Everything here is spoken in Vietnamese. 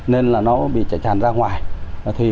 nên nó bị chảy tràn ra ngoài